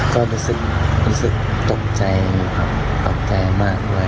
ก็รู้สึกตกใจมากเลย